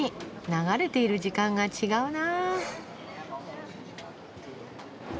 流れている時間が違うな。